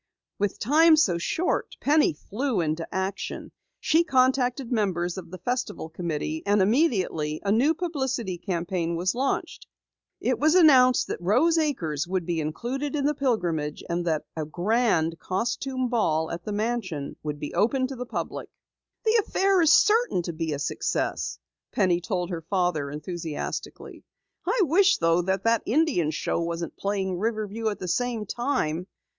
With time so short, Penny flew into action. She contacted members of the Festival Committee and immediately a new publicity campaign was launched. It was announced that Rose Acres would be included in the Pilgrimage and that a grand costume ball at the mansion would be open to the public. "The affair is certain to be a success," Penny told her father enthusiastically. "I wish though that the Indian Show wasn't playing Riverview at the same time.